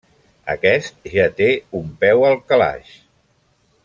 Aquest ja té un peu al calaix.